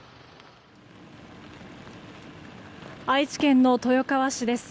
愛知県の豊川市です。